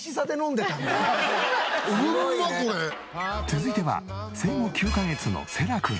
続いては生後９カ月のせらくん。